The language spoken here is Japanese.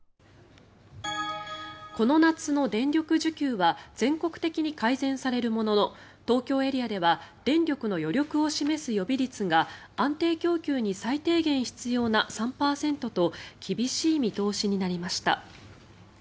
この夏の電力需給は全国的に改善されるものの東京エリアでは電力の余力を示す予備率が安定供給に最低限必要な３％と厳しい見通しになりました。